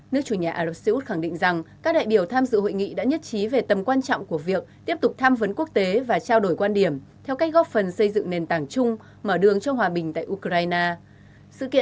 nước chủ nhà ả rập xê út khẳng định rằng các đại biểu tham dự hội nghị đã nhất trí về tầm quan trọng của việc tiếp tục tham vấn quốc tế và trao đổi quan điểm theo cách góp phần xây dựng nền tảng chung mở đường cho hòa bình tại ukraine